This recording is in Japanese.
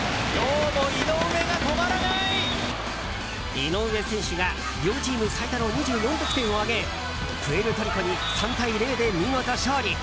井上選手が両チーム最多の２４得点を挙げプエルトリコに３対０で見事、勝利。